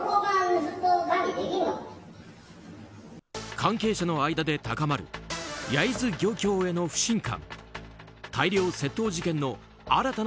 関係者の間で高まる焼津漁協への不信感。